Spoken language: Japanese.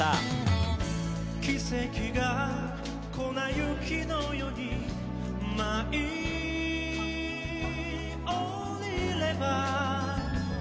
「奇跡が粉雪のように舞い降りれば」